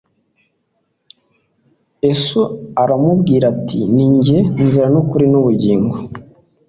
esu aramubwira ati: Ninjye Nzira n'ukuri n'ubugingo,